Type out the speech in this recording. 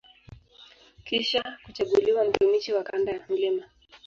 Kisha kuchaguliwa mtumishi wa kanda ya Mt.